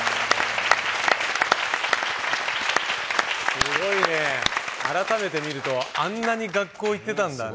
すごいね、改めて見るとあんなに学校に行ってたんだね。